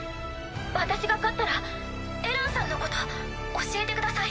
私が勝ったらエランさんのこと教えてください。